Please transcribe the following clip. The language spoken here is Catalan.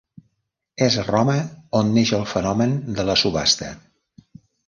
És a Roma on neix el fenomen de la subhasta.